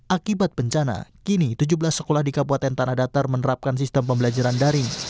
akibat bencana kini tujuh belas sekolah di kabupaten tanah datar menerapkan sistem pembelajaran daring